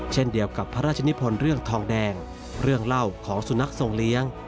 เช่นเดียวกับพระราชนิพลเรื่องทองแดงเรื่องเล่าของสุนัขทรงเลี้ยง